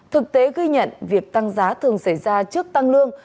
thực tế ghi nhận việc tăng giá thường xảy ra trước tăng lương